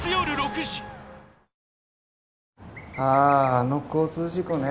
あの交通事故ね